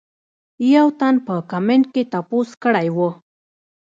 يو تن پۀ کمنټ کښې تپوس کړے وۀ